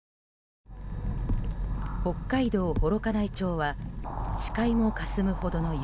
北海道幌加内町は視界もかすむほどの雪。